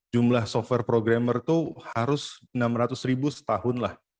jumlah software programmer itu harus enam ratus ribu setahun lah